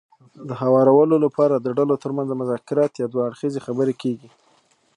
د هوارولو لپاره د ډلو ترمنځ مذاکرات يا دوه اړخیزې خبرې کېږي.